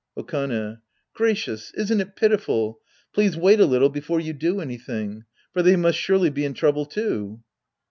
Okane. Gracious, isn't it pitiful ? Please wait a little before you do anything. For they must surely be in trouble, too.